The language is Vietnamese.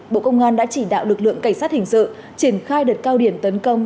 bộ công an đã chỉ đạo lực lượng cảnh sát hình sự triển khai đợt cao điểm tấn công